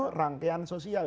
itu rangkaian sosial